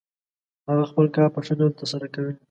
هغه خپل کار په ښه ډول ترسره کړ.